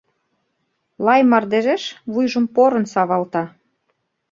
Лай мардежеш вуйжым порын савалта.